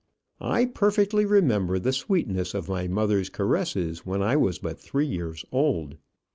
I perfectly remember the sweetness of my mother's caresses when I was but three years old.